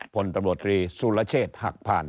ผลตำรวจลีศูลเชษหักผ่าน